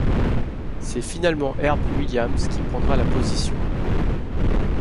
C'est finalement Herb Williams qui prendra la position.